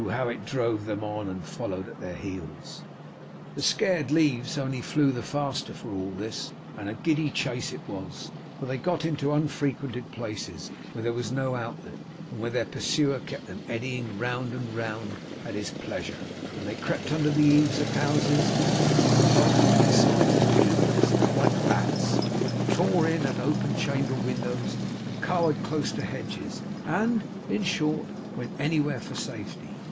how it drove them on and followed at their heels! The scared leaves only flew the faster for all this, and a giddy chase it was; for they got into unfrequented places, where there was no outlet, and where their pursuer kept them eddying round and round at his pleasure; and they crept under the eaves of houses, and clung tightly to the sides of hay ricks, like bats; and tore in at open chamber windows, and cowered close to hedges; and, in short, went anywhere for safety.